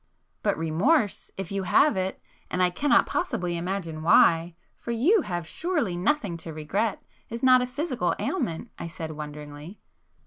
"But remorse,—if you have it, and I cannot possibly imagine why, for you have surely nothing to regret,—is not a physical ailment!" I said wonderingly.